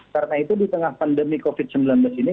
karena itu di tengah pandemi covid sembilan belas ini